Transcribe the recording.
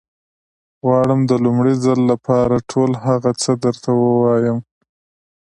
غواړم د لومړي ځل لپاره ټول هغه څه درته ووايم.